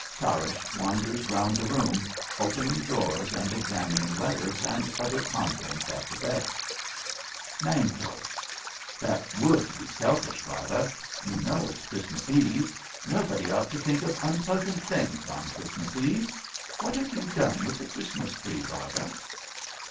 (Tarrasch wanders round the room, opening drawers and examining letters and other contents at the desk.) Nanko. That ivould be selfish, Rada. You know it's Christmas Eve. Nobody ought to think of unpleasant things on Christmas Eve. What have you done with the Christmas tree, Rada?